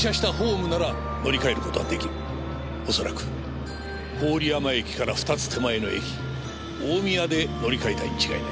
恐らく郡山駅から２つ手前の駅大宮で乗り換えたに違いない。